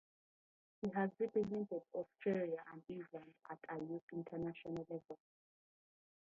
He has represented Australia and England at youth international level.